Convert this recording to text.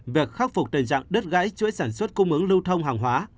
việc khắc phục tình trạng đứt gãy chuỗi sản xuất cung ứng lưu thông hàng hóa